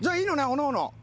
おのおの。